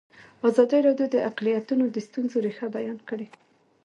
ازادي راډیو د اقلیتونه د ستونزو رېښه بیان کړې.